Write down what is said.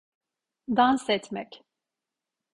Dans etmek.